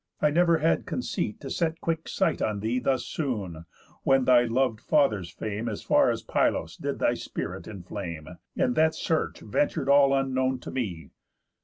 I never had conceit to set quick sight On thee thus soon, when thy lov'd father's fame As far as Pylos did thy spirit inflame, In that search ventur'd all unknown to me.